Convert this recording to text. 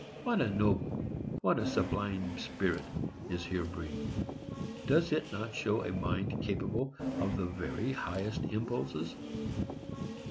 What a noble, what a sublime spirit, is here breathed! Does it not show a mind capable of the very highest impulses?